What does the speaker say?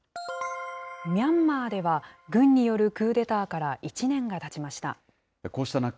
ミャンマーでは、軍によるクーデターから１年がたちました。